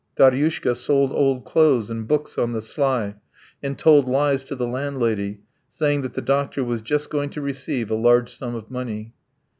Daryushka sold old clothes and books on the sly, and told lies to the landlady, saying that the doctor was just going to receive a large sum of money.